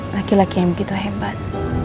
laki laki yang begitu hebat